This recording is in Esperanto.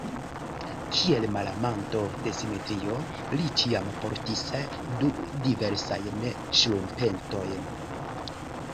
Kiel malamanto de simetrio li ĉiam portis du diversajn ŝtrumpetojn.